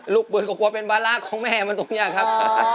ลูกเบิร์นก็กลัวเป็นบาร้าของแม่มันตรงเนี่ยครับ